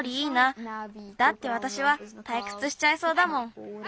だってわたしはたいくつしちゃいそうだもん。